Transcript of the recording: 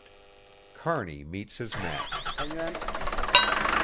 KEARNEY MEETS HIS MATCH.